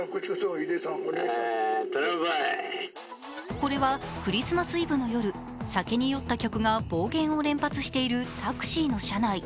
これはクリスマスイブの夜酒に酔った客が暴言を連発しているタクシーの車内。